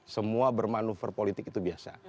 semua bermanuver politik itu biasa